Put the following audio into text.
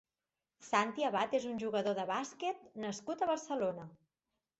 Santi Abad és un jugador de bàsquet nascut a Barcelona.